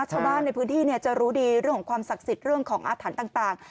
ชาวบ้านในพื้นที่จะรู้ดีเรื่องของความศักดิ์สิทธิ์เรื่องของอาถรรพ์ต่าง